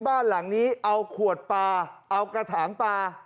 บ้านหลังนี้เอาขวดปลาเอากระถางปลา